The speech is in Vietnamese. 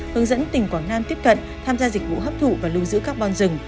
hướng dẫn tỉnh quảng nam tiếp cận tham gia dịch vụ hấp thụ và lưu giữ carbon rừng